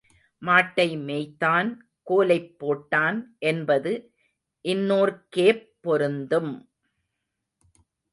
மாட்டை மேய்த்தான், கோலைப் போட்டான் என்பது இன்னோர்க்கேப் பொருந்தும்.